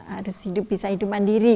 harus hidup bisa hidup mandiri